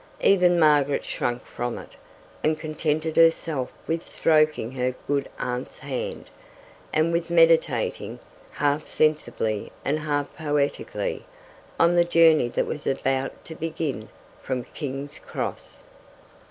Even Margaret shrank from it, and contented herself with stroking her good aunt's hand, and with meditating, half sensibly and half poetically, on the journey that was about to begin from King's Cross.